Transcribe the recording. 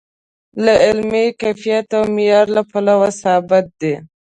د علمي کیفیت او معیار له پلوه ثابت دی.